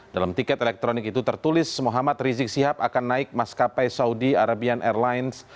dalam tiket elektronik itu tertulis muhammad rizik sihab akan naik maskapai saudi arabian airlines